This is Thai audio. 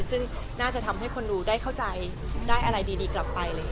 ซึ่งน่าจะทำให้คนดูได้เข้าใจได้อะไรดีกลับไป